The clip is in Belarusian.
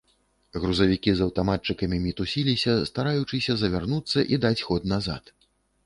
Грузавікі з аўтаматчыкамі мітусіліся, стараючыся завярнуцца і даць ход назад.